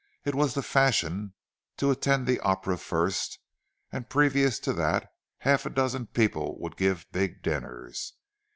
It was the fashion to attend the Opera first, and previous to that half a dozen people would give big dinners.